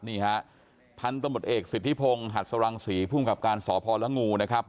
นี่ฮะพันธมตเอกสิทธิพงศ์หัดสรังศรีภูมิกับการสพละงูนะครับ